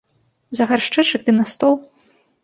За гаршчэчак ды на стол.